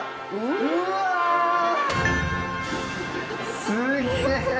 うわ！すげ！